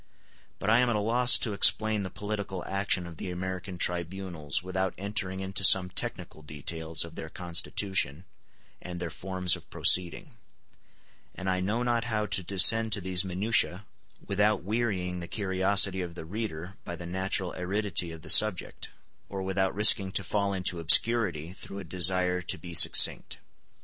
But I am at a loss to explain the political action of the American tribunals without entering into some technical details of their constitution and their forms of proceeding; and I know not how to descend to these minutiae without wearying the curiosity of the reader by the natural aridity of the subject, or without risking to fall into obscurity through a desire to be succinct.